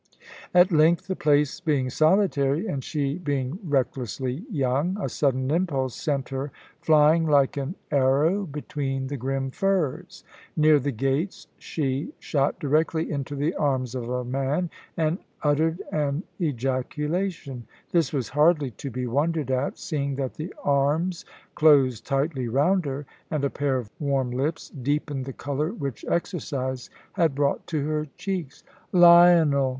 At length, the place being solitary and she being recklessly young, a sudden impulse sent her flying like an arrow between the grim firs. Near the gates she shot directly into the arms of a man, and uttered an ejaculation. This was hardly to be wondered at, seeing that the arms closed tightly round her, and a pair of warm lips deepened the colour which exercise had brought to her cheeks. "Lionel!"